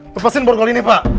lepasin borgolini pak